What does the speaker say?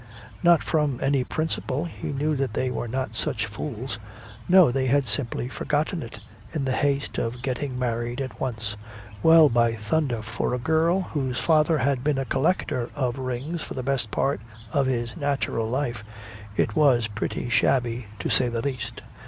Not from any principle, he knew that they were not such fools. No, they had simply forgotten it, in the haste of getting married at once. Well, by thunder, for a girl whose father had been a collector of rings for the best part of his natural life, it was pretty shabby to say the least!